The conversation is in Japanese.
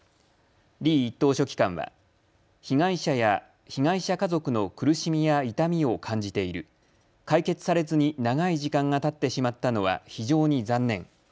リー一等書記官は被害者や被害者家族の苦しみや痛みを感じている。解決されずに長い時間がたってしまったのは非常に残念。